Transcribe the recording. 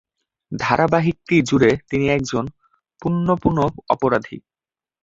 ধারাবাহিকটি জুড়ে, তিনি একজন পুনঃপুনঃ অপরাধী।